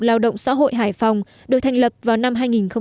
lao động xã hội hải phòng được thành lập vào năm hai nghìn một mươi